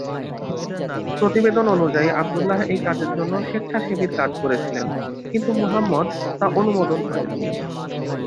প্রতিবেদন অনুযায়ী, আবদুল্লাহ এই কাজের জন্য স্বেচ্ছাসেবীর কাজ করেছিলেন, কিন্তু মুহাম্মদ তা অনুমোদন করেননি।